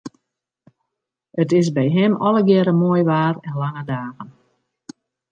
It is by him allegearre moai waar en lange dagen.